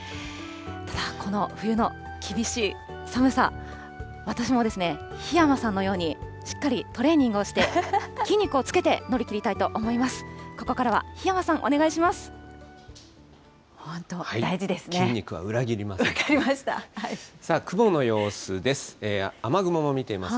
ただ、この冬の厳しい寒さ、私も、檜山さんのようにしっかりトレーニングをして、筋肉をつけて乗り切りたいと思います。